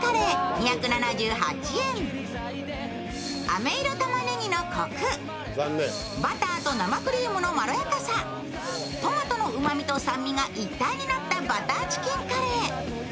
あめ色たまねぎのこく、バターと生クリームの滑らかさトマトのうまみと酸味が一体になったバターチキンカレー。